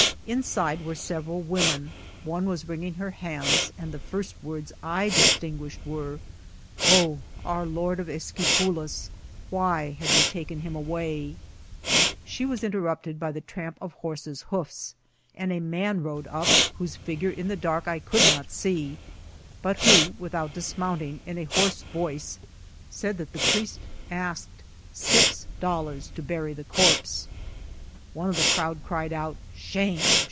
Inside were several women ; one was wringing her hands, and the first w<Mrds I distin guished were, '^ Oh, our Lord of Esquipulas, why have you taken him away ?" She was interrtqpted by the tramp of horses' hoofs, and a man rode up, whose figure in the dark I could not see, but who, without dismount ing, in a hoarse voice said that the jnriest /sisked six dol lars to bury the corpse. One of the crowd cried out, *' Shame